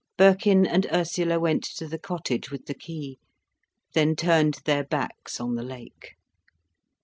Birkin and Ursula went to the cottage with the key, then turned their backs on the lake.